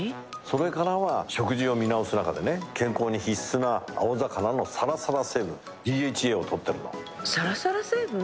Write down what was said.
それからは食事を見直す中でね健康に必須な青魚のサラサラ成分ＤＨＡを摂っているのサラサラ成分？